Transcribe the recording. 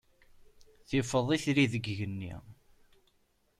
Tifeḍ itri deg yigenni.